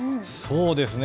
そうですね。